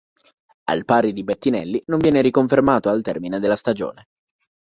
Al pari di Bettinelli non viene riconfermato al termine della stagione.